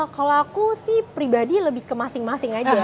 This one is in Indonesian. kalau aku sih pribadi lebih ke masing masing aja